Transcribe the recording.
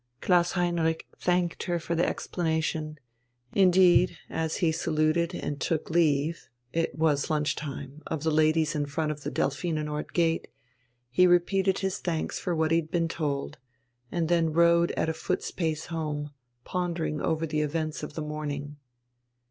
Klaus Heinrich thanked her for the explanation; indeed, as he saluted and took leave (it was lunch time) of the ladies in front of the Delphinenort Gate, he repeated his thanks for what he had been told, and then rode at foot's pace home, pondering over the events of the morning.